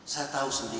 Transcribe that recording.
saya tahu sendiri